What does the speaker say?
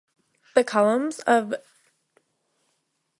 The Columns of Gediminas remained in use over the following centuries.